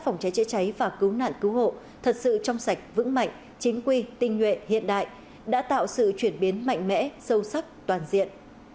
phòng cháy chữa cháy và cứu nạn cứu hộ thật sự trong sạch vững mạnh chính quy tinh nhuệ hiện đại đã tạo sự chuyển biến mạnh mẽ sâu sắc toàn diện